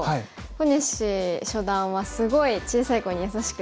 小西初段はすごい小さい子に優しくて。